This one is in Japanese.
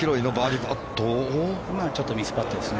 ちょっとミスパットです。